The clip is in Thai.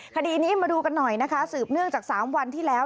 คดีนี้มาดูกันหน่อยนะคะสืบเนื่องจาก๓วันที่แล้ว